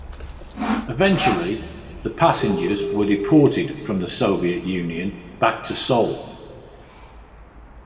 Eventually, the passengers were deported from the Soviet Union back to Seoul.